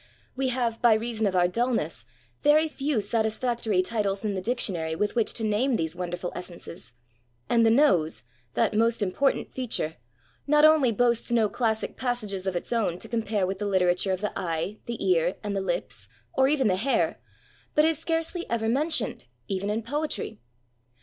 We have, by reason of our dullness, very few satisfactory titles in the dictionary with which to name these wonderful essences; and the nose — that most important feature — not only boasts no classic passages of its own to compare with the literature of the eye, the ear, and the lips, or even the hair, but is scarcely ever mentioned, even in poetry.